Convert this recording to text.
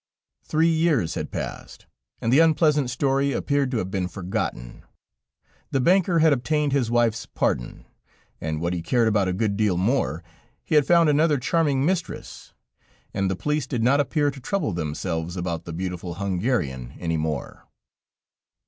Three years had passed, and the unpleasant story appeared to have been forgotten. The banker had obtained his wife's pardon and what he cared about a good deal more he had found another charming mistress, and the police did not appear to trouble themselves about the beautiful Hungarian any more.